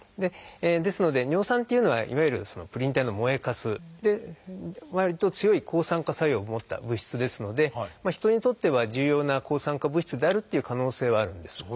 ですので尿酸っていうのはいわゆるプリン体の燃えかすでわりと強い抗酸化作用を持った物質ですので人にとっては重要な抗酸化物質であるっていう可能性はあるんです。